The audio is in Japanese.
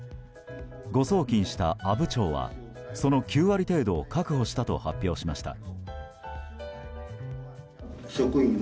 誤送金した阿武町はその９割程度を確保したと発表しました。